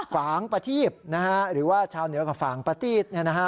ฝางประทีศนะฮะหรือว่าชาวเหนือกว่าฝางประทีศนะฮะ